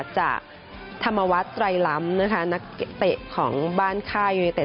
จากธรรมวัฒน์ไตรลำนักเกะเตะของบ้านค่ายูเนเต็ด